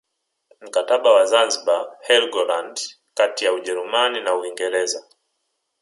Mkataba wa Zanzibar Helgoland kati ya Ujerumani na Uingereza